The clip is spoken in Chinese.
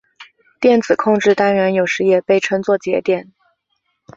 电子控制单元有时也被称作节点。